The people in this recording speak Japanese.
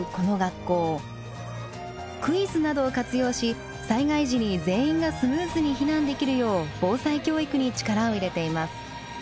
クイズなどを活用し災害時に全員がスムーズに避難できるよう防災教育に力を入れています。